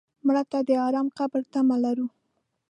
مړه ته د ارام قبر تمه لرو